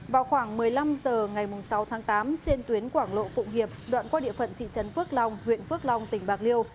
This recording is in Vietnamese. vào khoảng một mươi năm h ngày sáu tháng tám trên tuyến quảng lộ phụng hiệp đoạn qua địa phận thị trấn phước long huyện phước long tỉnh bạc liêu